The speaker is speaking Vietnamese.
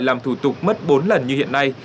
làm thủ tục mất bốn lần như hiện nay